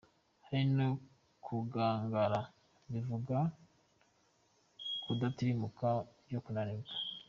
Hari no kugangarara bivuga kudatirimuka byo kunanirwa.